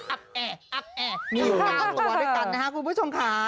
อักแอมีอยู่กับตัวด้วยกันนะครับคุณผู้ชมค่ะ